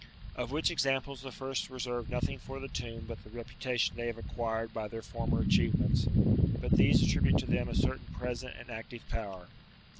Of which examples the first reserve nothing for the tomb but the reputation they have acquired by their former achievements, but these attribute to them a certain present and active power.